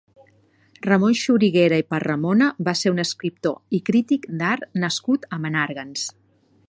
Ramon Xuriguera i Parramona va ser un escriptor i crític d'art nascut a Menàrguens.